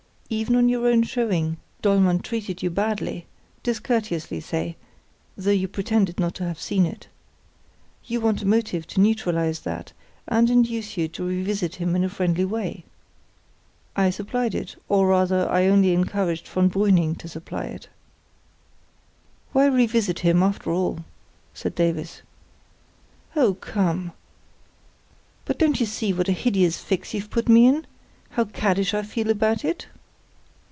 Even on your own showing Dollmann treated you badly—discourteously, say: though you pretended not to have seen it. You want a motive to neutralise that, and induce you to revisit him in a friendly way. I supplied it, or rather I only encouraged von Brüning to supply it." "Why revisit him, after all?" said Davies. "Oh, come——" "But don't you see what a hideous fix you've put me in? How caddish I feel about it?"